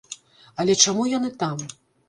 Але чаму яны там?